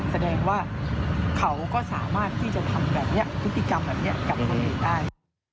แสดงว่าเขาก็สามารถที่จะทำแบบนี้พฤติกรรมแบบนี้กับคนอื่นได้